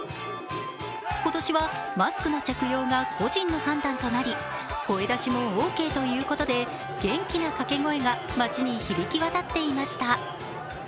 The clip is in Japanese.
今年はマスクの着用が個人の判断となり声出しもオーケーということで元気な掛け声が街に響き渡っていました。